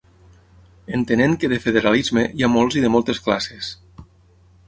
Entenent que de federalisme hi ha molts i de moltes classes.